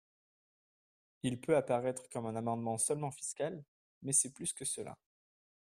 Il peut apparaître comme un amendement seulement fiscal, mais c’est plus que cela.